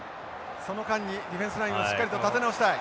その間にディフェンスラインをしっかりと立て直したい。